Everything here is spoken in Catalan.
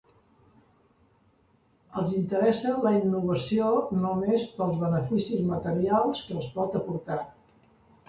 Els interessa la innovació només pels beneficis materials que els pot aportar.